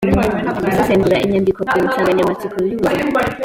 Gusesengura imyandiko ku nsanganyamatsiko y’ubuzima.